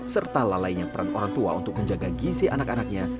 serta lalainya peran orang tua untuk menjaga gizi anak anaknya